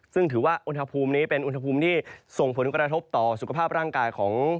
ซึ่งถือว่าอุณหภูมินี้เป็นอุณหภูมิที่ส่งผลกระทบต่อสุขภาพร่างกายของ